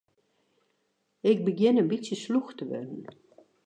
Ik begjin in bytsje slûch te wurden.